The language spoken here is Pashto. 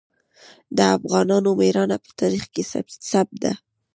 د افغانانو ميړانه په تاریخ کې ثبت ده.